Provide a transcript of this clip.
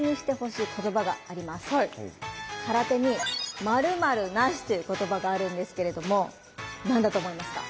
「空手に〇〇なし」という言葉があるんですけれども何だと思いますか？